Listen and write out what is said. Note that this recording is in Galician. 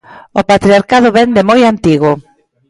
O patriarcado vén de moi antigo.